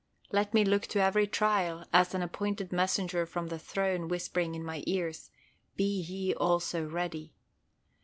Let me look to every trial as an appointed messenger from the Throne whispering in my ears, "Be ye also ready!"